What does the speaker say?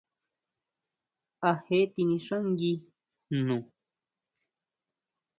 ¿A jee tinixángui jno?